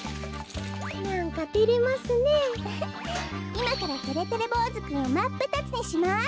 いまからてれてれぼうずくんをまっぷたつにします。